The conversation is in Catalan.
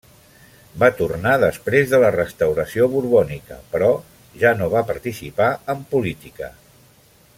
Va tornar després de la restauració borbònica però ja nova participar en política.